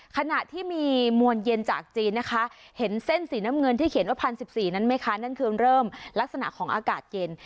ขณะที่มีมวลเย็นจากจีนนะคะเห็นเส้นสีน้ำเงินที่เขียนว่า๑๐๑๔นั้นไหมคะนั่นคือเริ่มลักษณะของอากาศเย็น